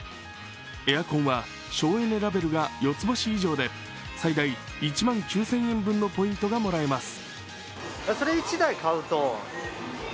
エアコンは省エネラベルが４つ星以上で最大１万９０００円分のポイントがもらえます。